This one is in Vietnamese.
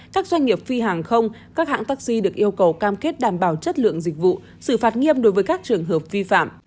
các doanh nghiệp phi hàng không các hãng taxi được yêu cầu cam kết đảm bảo chất lượng dịch vụ xử phạt nghiêm đối với các trường hợp vi phạm